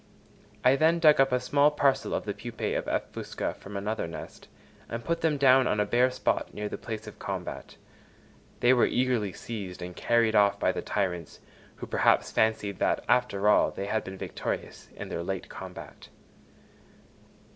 I then dug up a small parcel of the pupæ of F. fusca from another nest, and put them down on a bare spot near the place of combat; they were eagerly seized and carried off by the tyrants, who perhaps fancied that, after all, they had been victorious in their late combat.